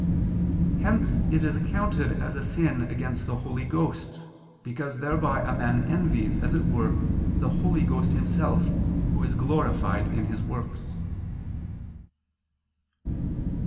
Hence it is accounted a sin against the Holy Ghost, because thereby a man envies, as it were, the Holy Ghost Himself, Who is glorified in His works.